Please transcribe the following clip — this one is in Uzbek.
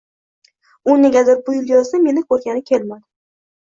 U negadir bu yil yozda meni koʻrgani kelmadi.